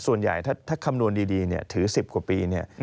ส่วนใหญ่ถ้าคำนวณดีถือ๑๐กว่าปีเนี่ย